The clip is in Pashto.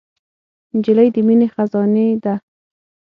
نجلۍ د مینې خزانې ده.